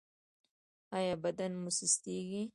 ایا بدن مو سستیږي؟